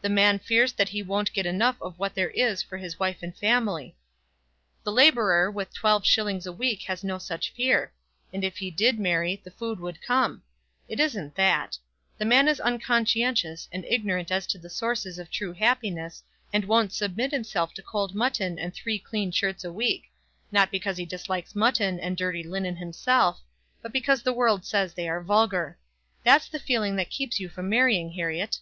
"The man fears that he won't get enough of what there is for his wife and family." "The labourer with twelve shillings a week has no such fear. And if he did marry, the food would come. It isn't that. The man is unconscientious and ignorant as to the sources of true happiness, and won't submit himself to cold mutton and three clean shirts a week, not because he dislikes mutton and dirty linen himself, but because the world says they are vulgar. That's the feeling that keeps you from marrying, Herriot."